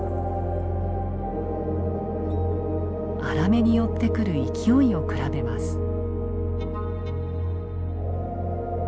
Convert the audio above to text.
アラメに寄ってくる勢いを比べます。